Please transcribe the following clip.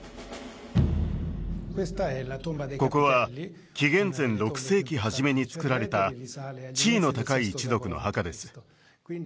ここは紀元前６世紀初めにつくられた地位の高い一族の墓です